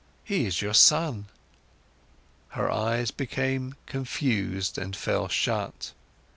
He is your son." Her eyes became confused and fell shut.